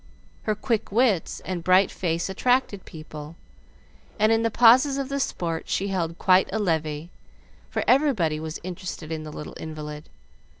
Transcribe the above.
Her quick wits and bright face attracted people, and in the pauses of the sport she held quite a levee, for everybody was interested in the little invalid.